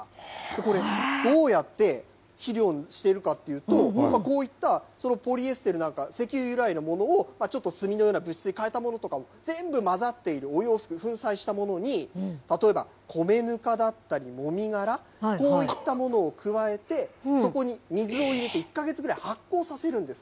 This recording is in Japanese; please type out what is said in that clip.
これ、どうやって肥料にしてるかっていうと、こういったポリエステルなんか、石油由来のものを、ちょっと炭のような物質にかえたようなものとかを全部混ざっているお洋服、粉砕したものに、例えば米ぬかだったり、もみ殻、こういったものを加えて、そこに水を入れて、１か月ぐらい発酵させるんです。